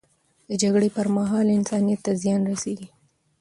د جګړې پر مهال، انسانیت ته زیان رسیږي.